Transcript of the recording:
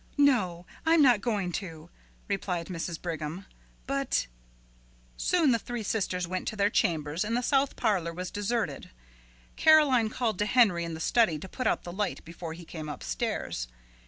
"No, I'm not going to," replied Mrs. Brigham; "but " Soon the three sisters went to their chambers and the south parlor was deserted. Caroline called to Henry in the study to put out the light before he came upstairs.